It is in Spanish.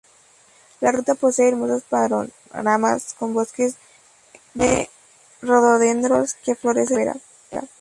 La ruta posee hermosos panoramas con bosques de rododendros que florecen en primavera.